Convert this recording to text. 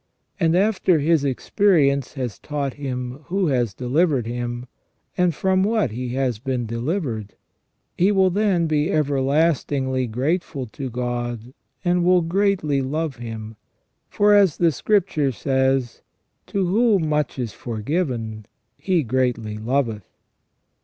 And after his experience has taught him who has delivered him, and from what he has been delivered, he will then be everlastingly grateful to God, and will greatly love Him ; for as the Scripture says :" To whom much is forgiven, he greatly loveth